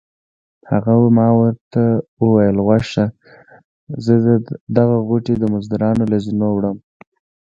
هغه ما ته وویل غوږ شه زه دغه غوټې د مزدورانو له زینو وړم.